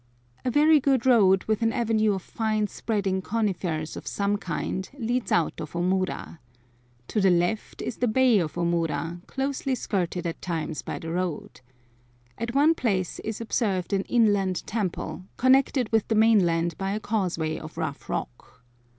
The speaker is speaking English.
A very good road, with an avenue of fine spreading conifers of some kind, leads out of Omura. To the left is the bay of Omura, closely skirted at times by the road. At one place is observed an inland temple, connected with the mainland by a causeway of rough rock.